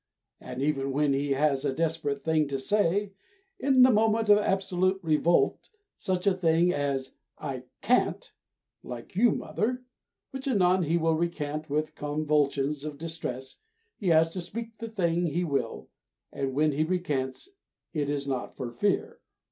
And even when he has a desperate thing to say, in the moment of absolute revolt such a thing as "I can't like you, mother," which anon he will recant with convulsions of distress he has to "speak the thing he will," and when he recants it is not for fear.